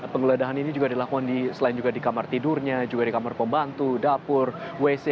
penggeledahan ini juga dilakukan selain juga di kamar tidurnya juga di kamar pembantu dapur wc